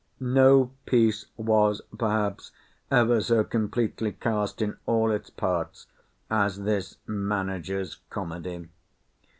No piece was, perhaps, ever so completely cast in all its parts as this manager's comedy.